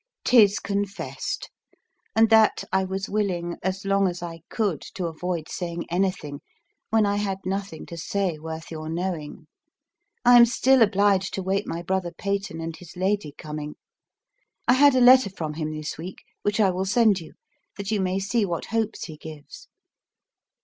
'Tis confest; and that I was willing as long as I could to avoid saying anything when I had nothing to say worth your knowing. I am still obliged to wait my brother Peyton and his lady coming. I had a letter from him this week, which I will send you, that you may see what hopes he gives.